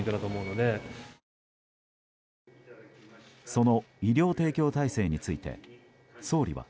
その医療提供体制について総理は。